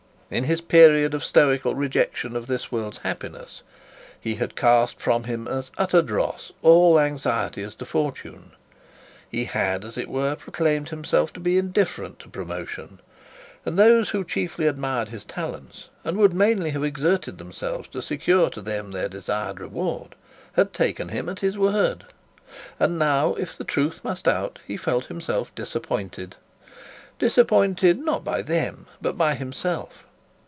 In his period of stoical rejection of this world's happiness, he had cast from him as utter dross all anxiety as to fortune. He had, as it were, proclaimed himself to be indifferent to promotion, and those who chiefly admired his talents, and would mainly have exerted to secure them their deserved reward, had taken him at his word. And now, if the truth must out, he felt himself disappointed disappointed not by them but by himself.